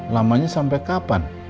lamanya sampai kapan